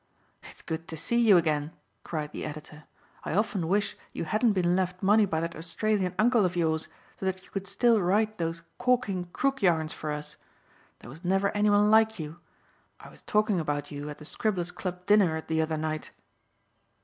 "It's good to see you again!" cried the editor. "I often wish you hadn't been left money by that Australian uncle of yours, so that you could still write those corking crook yarns for us. There was never any one like you. I was talking about you at the Scribblers' Club dinner the other night."